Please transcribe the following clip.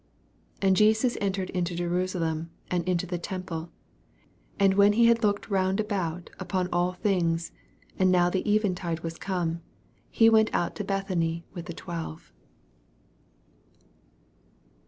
11 And Jesus entered into Jerusa lem, and into the temple : and when he had looked round about upon all things, and now the eventide was come, he went out unto Bethany with the twelve.